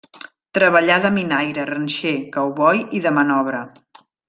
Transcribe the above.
Treballà de minaire, ranxer, cowboy i de manobre.